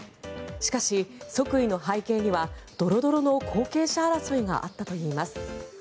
しかし、即位の背景にはドロドロの後継者争いがあったといいます。